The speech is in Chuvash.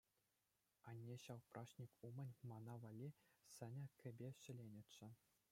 Анне ҫав праҫник умӗн мана валли сӗнӗ кӗпе ҫӗленӗччӗ.